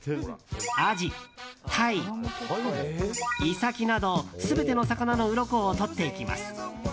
アジ、タイ、イサキなど全ての魚のうろこを取っていきます。